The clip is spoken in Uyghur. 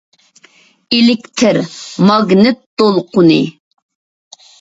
ئېلېكتىر ماگنىت دولقۇنى